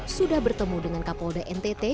sudah bertemu dengan kapolda ntt